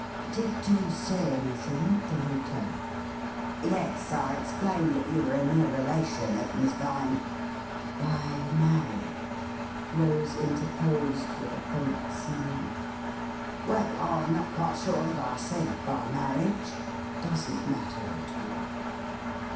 ' Did you say anything at the hotel .?'' Yes ; I explained that you were a near relation of Miss Vine '' By marriage,' Rose interposed, with a faint smile. ' Well, I'm not quite sure that I said by marriage '' Doesn't matter at all.'